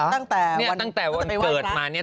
ตั้งแต่วันที่เจ็ดเนี่ยตั้งแต่วันเกิดมาเนี่ย